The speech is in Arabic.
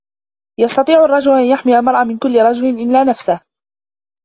يستطيع الرجل أن يحمي المرأة من كل رجل إلّا نفسه.